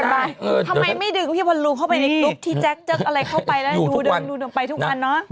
ทำไมไม่ดึงพี่บอลลูเข้าไปในกรุ๊ปที่แจ๊คเจออะไรเข้าไปแล้วดูเดินดูเดินไปทุกอันเนอะ